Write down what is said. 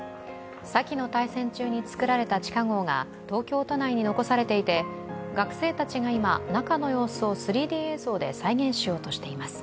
さきの大戦中に造られた地下壕が東京都内に残されていて、学生たちが今中の様子を３Ｄ映像で再現しようとしています。